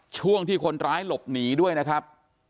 ช่วงที่คนร้ายหลบหนีด้วยนะครับ